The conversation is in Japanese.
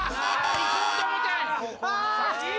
いこうと思ってん！